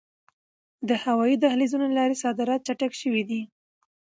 د هوایي دهلیزونو له لارې صادرات چټک شوي دي.